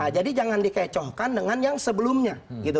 jadi jangan dikecohkan dengan yang sebelumnya